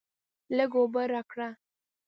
لږ اوبه راکړه.